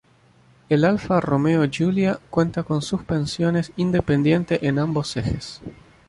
El Alfa Romeo Giulia cuenta con suspensiones independiente en ambos ejes.